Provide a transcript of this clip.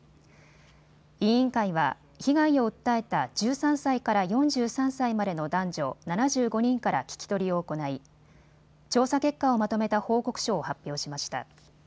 委員会は被害を訴えた１３歳から４３歳までの男女７５人から聞き取りを行い調査結果をまとめた報告書を発表しました。